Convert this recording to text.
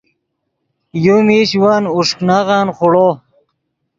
یو میش ون اوݰک نغن خوڑو